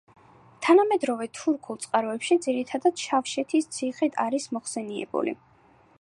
თანამედროვე თურქულ წყაროებში ძირითადად შავშეთის ციხედ არის მოხსენიებული.